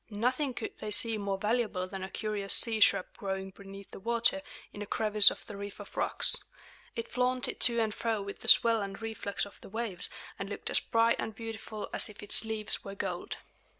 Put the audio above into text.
Nothing could they see more valuable than a curious sea shrub growing beneath the water, in a crevice of the. reef of rocks. It flaunted to and fro with the swell and reflux of the waves, and looked as bright and beautiful as if its leaves were gold.